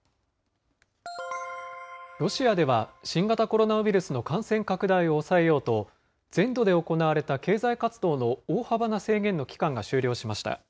ロシアでは、新型コロナウイルスの感染拡大を抑えようと、全土で行われた経済活動の大幅な制限の期間が終了しました。